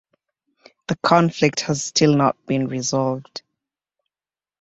The conflict has still not been resolved.